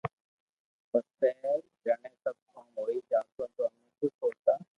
پسي جڻي سب ڪوم ھوئي جاتو تو امي خوݾ ھوتا